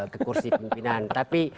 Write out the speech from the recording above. ke kursi pimpinan tapi